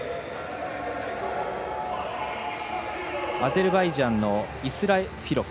アゼルバイジャンのイスラフィロフ。